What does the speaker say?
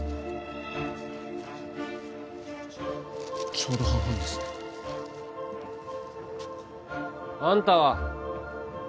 ちょうど半々ですあんたは？